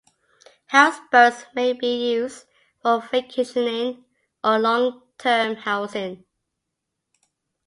House boats may be used for vacationing or long-term housing.